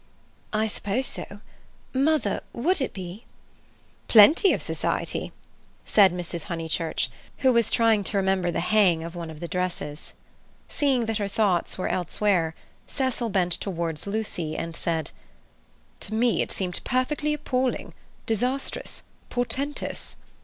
"I suppose so. Mother, would it be?" "Plenty of society," said Mrs. Honeychurch, who was trying to remember the hang of one of the dresses. Seeing that her thoughts were elsewhere, Cecil bent towards Lucy and said: "To me it seemed perfectly appalling, disastrous, portentous."